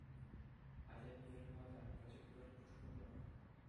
Атя пирӗн пата, пӗчӗк пӳрт пуш-пушах.